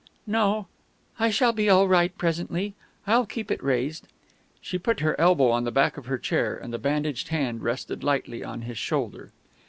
"No I shall be all right presently I'll keep it raised " She put her elbow on the back of her chair, and the bandaged hand rested lightly on his shoulder.